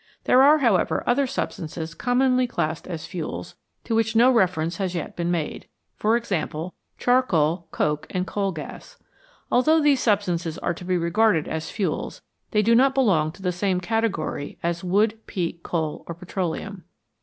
There are, however, other substances commonly classed as fuels to which no reference has yet been made for example, charcoal, coke, and coal gas. Although these substances are to be regarded as fuels, they do not belong to the same category as wood, peat, coal, or petroleum.